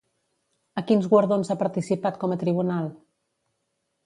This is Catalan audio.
A quins guardons ha participat com a tribunal?